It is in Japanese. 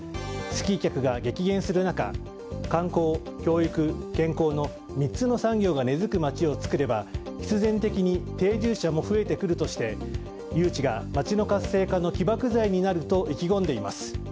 スキー客が激減する中観光・教育・健康の３つの産業が根付く街を作れば必然的に定住者も増えてくるとして誘致が街の活性化の起爆剤になると意気込んでいます。